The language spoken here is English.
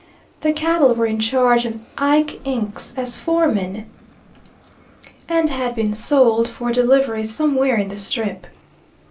The cattle were in charge of Ike Inks as foreman, and had been sold for delivery somewhere in the Strip.